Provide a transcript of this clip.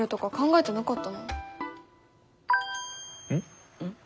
えっ？